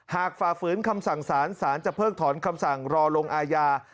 ฝ่าฝืนคำสั่งสารสารจะเพิกถอนคำสั่งรอลงอาญา